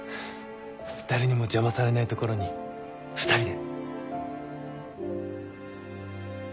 誰にも邪魔されない所に２人で。